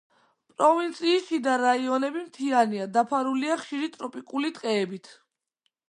პროვინციის შიდა რაიონები მთიანია, დაფარულია ხშირი ტროპიკული ტყეებით.